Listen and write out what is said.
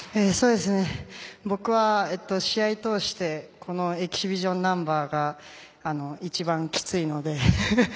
僕は試合通してこのエキシビションナンバーが一番きついので。